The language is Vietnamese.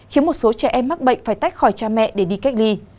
khiến một số trẻ em mắc bệnh phải tách khỏi cha mẹ để đi cách ly